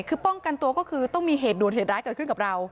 คือป้องกันตัวก็คือต้องมีเหตุด่วนเหตุร้ายเกิดขึ้นกับเรา